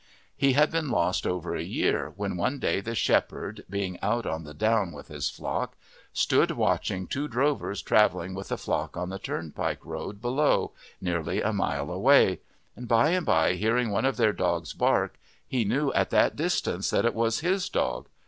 He had been lost over a year, when one day the shepherd, being out on the down with his flock, stood watching two drovers travelling with a flock on the turnpike road below, nearly a mile away, and by and by hearing one of their dogs bark he knew at that distance that it was his dog.